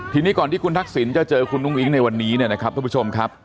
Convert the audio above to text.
ทีนี้ก่อนที่คุณทักษิณจะเจอคุณอุ้งอิ๊งในวันนี้เนี่ยนะครับทุกผู้ชมครับ